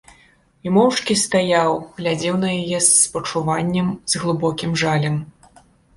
І моўчкі стаяў, глядзеў на яе з спачуваннем, з глыбокім жалем.